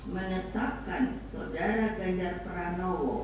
menetapkan saudara ganjar pranowo